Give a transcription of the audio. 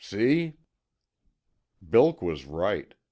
See?" Bilk was right.